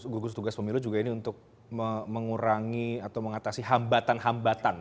gugus tugas pemilu juga ini untuk mengurangi atau mengatasi hambatan hambatan